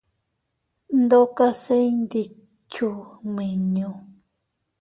Ndokase iyndikchuu nmiñu.